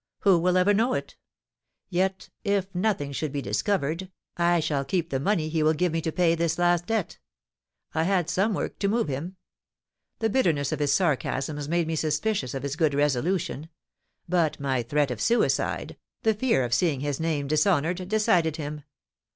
Who will ever know it? Yet, if nothing should be discovered, I shall keep the money he will give me to pay this last debt. I had some work to move him. The bitterness of his sarcasms made me suspicious of his good resolution; but my threat of suicide, the fear of seeing his name dishonoured, decided him.